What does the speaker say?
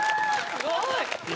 すごい。